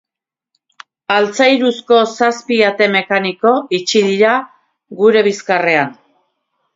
Altzairuzko zazpi ate mekaniko itxi dira gure bizkarrean.